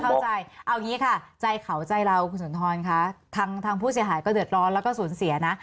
เข้าใจเอาอย่างนี้ค่ะใจเขาใจเราคุณสุนทรคะทางผู้เสียหายก็เดือดร้อนแล้วก็สูญเสียนะ